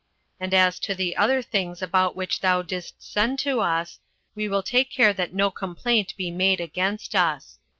And as to the other things about which thou didst send to us, we will take care that no complaint be made against us."